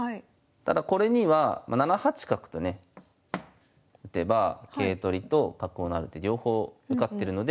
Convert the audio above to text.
ただこれには７八角とね打てば桂取りと角を成る手両方受かってるので。